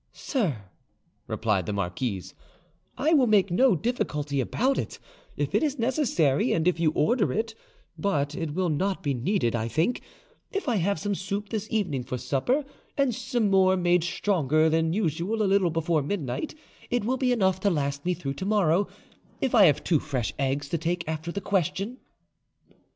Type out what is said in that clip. "Sir," replied the marquise, "I will make no difficulty about it, if it is necessary and if you order it; but it will not be needed, I think: if I have some soup this evening for supper, and some more made stronger than usual a little before midnight, it will be enough to last me through to morrow, if I have two fresh eggs to take after the question."